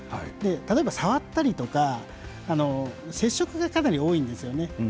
例えば、触ったりとか接触がかなり多いんですよね。